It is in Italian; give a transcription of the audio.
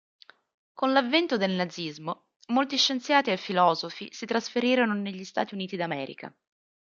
Con l'avvento del nazismo molti scienziati e filosofi si trasferirono negli Stati Uniti d'America.